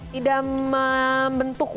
tidak membentuk hidung